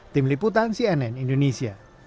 tim liputan cnn indonesia